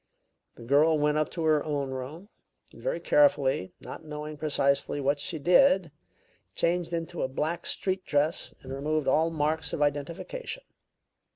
"The girl went up to her own room, and very carefully, not knowing precisely what she did, changed into a black street dress and removed all marks of identification.